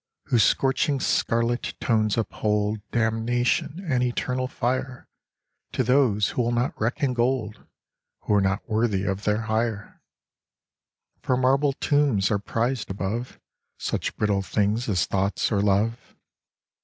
Whose scorching scarlet tones uphold Damnation and eternal fire To those who will not reckon gold — Who are not worthy of their hire, For marble tombs are prized above Such brittle things as thoughts or love.